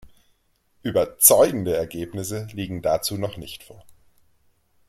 Überzeugende Ergebnisse liegen dazu noch nicht vor.